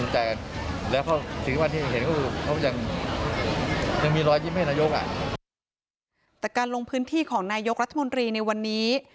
แต่การลงพื้นที่ของนายกรัฐมนตรีในวันนี้